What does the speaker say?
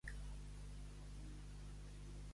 Temps del car de fora, tràngol a les platges.